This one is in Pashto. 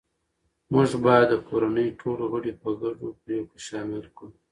موږ باید د کورنۍ ټول غړي په ګډو پریکړو شامل کړو